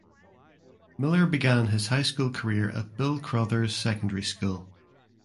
Miller began his high school career at Bill Crothers Secondary School.